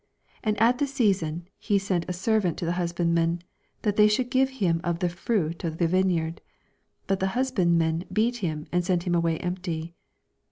10 And at the season he sent a ser vant to the husbandmen, that they should ffive him of the n*uit of the vineyard : but the husbandmen beat him, and sent him away empty.